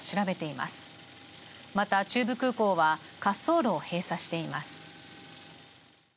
また、中部空港は滑走路を閉鎖しています。